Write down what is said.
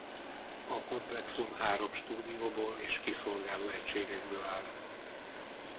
A komplexum három stúdióból és kiszolgáló egységekből áll.